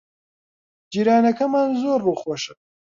جیرانەکەمان زۆر ڕووخۆشە.